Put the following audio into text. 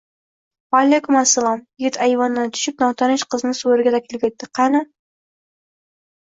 — Vaalaykum assalom. — Yigit ayvondan tushib, notanish qizni soʼriga taklif etdi. — Qani…